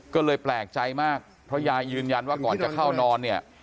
ก็เลยแปลกใจมากเพราะยายยืนยันว่าก่อนจะเข้านอนเนี่ย